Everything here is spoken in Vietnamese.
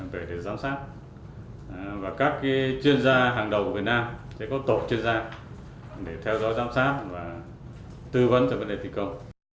kể từ giám sát và các chuyên gia hàng đầu của việt nam sẽ có tổ chuyên gia để theo dõi giám sát và tư vấn cho vấn đề thi công